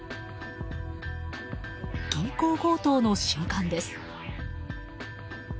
銀行強盗の瞬間です。